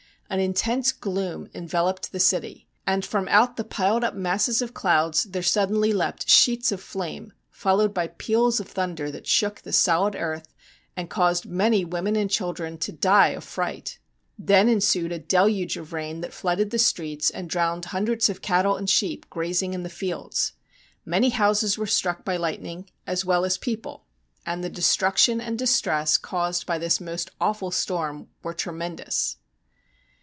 An intense gloom enveloped the city, and from out the piled up masses of clouds there sud denly leapt sheets of flame, followed by peals of thunder that shook the solid earth and caused many women and children to die of fright. Then ensued a deluge of rain that flooded the streets and drowned hundreds of cattle and sheep grazing in the fields. Many houses were struck by lightning, as well b2 4 STORIES WEIRD AND WONDERFUL as people, and the destruction and distress caused by this most awful storm were tremendous.